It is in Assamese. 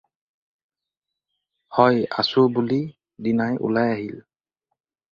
"হয় আছোঁ" বুলি দীনাই ওলাই আহিল।